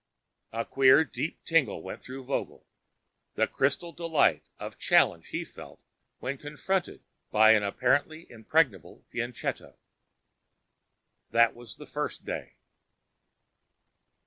A queer deep tingle went through Vogel. The crystal delight of challenge he felt when confronted by an apparently impregnable fianchetto. That was the first day.